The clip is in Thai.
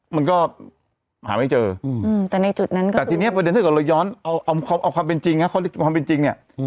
มันก็หาไม่เจอแต่ทีนี้เป็นผมความเป็นจริงฮะ